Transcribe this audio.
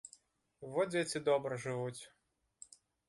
Во дзеці добра жывуць.